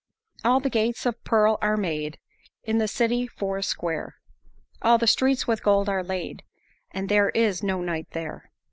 "All the gates of pearl are made, In the city four square, All the streets with gold are laid, And there is no night there.